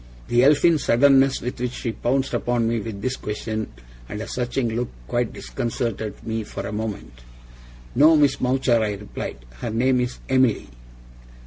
The Elfin suddenness with which she pounced upon me with this question, and a searching look, quite disconcerted me for a moment. 'No, Miss Mowcher,' I replied. 'Her name is Emily.